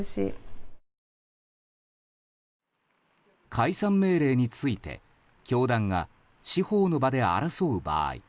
解散命令について教団が司法の場で争う場合